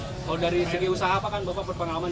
kalau dari segi usaha apa kan bapak berpengalaman